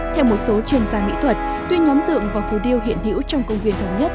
theo một số chuyên gia nghị thuật tuy nhóm tượng và phù điêu hiện hữu trong công viên thống nhất